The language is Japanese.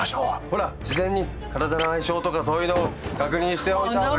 ほら事前に体の相性とかそういうのを確認しておいた方が。